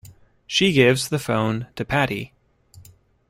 She gives the phone to Patty.